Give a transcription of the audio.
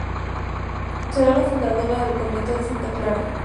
Será la fundadora del Convento de Santa Clara.